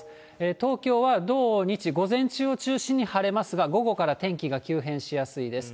東京は土日、午前中を中心に晴れますが、午後から天気が急変しやすいです。